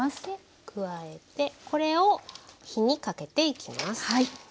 で加えてこれを火にかけていきます。